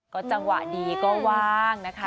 ก็จังหวะดีก็ว่างนะคะ